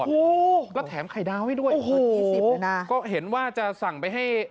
โอ้โหแล้วแถมไข่ดาวให้ด้วยหอยี่สิบเลยนะก็เห็นว่าจะสั่งไปให้